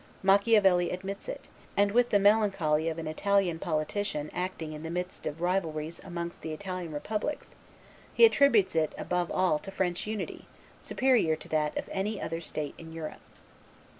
Machiavelli admits it, and with the melancholy of an Italian politician acting in the midst of rivalries amongst the Italian republics, he attributes it above all to French unity, superior to that of any other state in Europe.